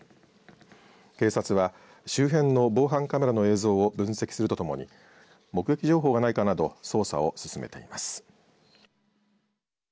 警察は周辺の防犯カメラの映像を分析するとともに目撃情報がないかなど捜査を進めています。